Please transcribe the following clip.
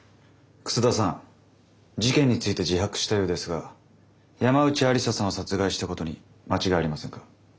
楠田さん事件について自白したようですが山内愛理沙さんを殺害したことに間違いありませんか？